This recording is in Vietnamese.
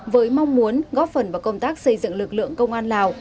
với mong muốn góp phần vào công tác xây dựng lực lượng công an lào